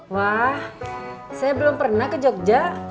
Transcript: wah saya belum pernah ke jogja